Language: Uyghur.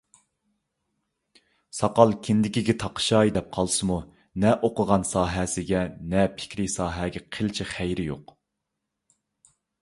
ساقال كىندىككە تاقىشاي دەپ قالسىمۇ نە ئوقۇغان ساھەسىگە، نە پىكرىي ساھەگە قىلچە خەيرى يوق.